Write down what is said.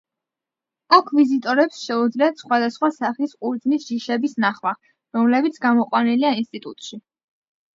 აქ ვიზიტორებს შეუძლიათ სხვადასხვა სახის ყურძნის ჯიშების ნახვა, რომლებიც გამოყვანილია ინსტიტუტში.